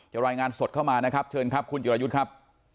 รายงานสดเข้ามานะครับเชิญครับคุณจิรายุทธ์ครับ